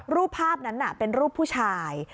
รูปภาพนั้นเป็นรูปผู้ชาย